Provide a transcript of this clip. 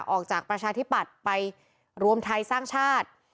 ประชาธิปัตย์ไปรวมไทยสร้างชาติ